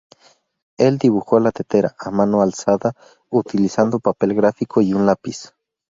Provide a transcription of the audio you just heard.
Él dibujó la tetera a mano alzada utilizando papel gráfico y un lápiz.